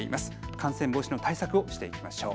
感染防止の対策をしていきましょう。